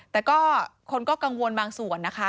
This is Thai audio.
แต่ก็คนก็กังวลบางส่วนนะคะ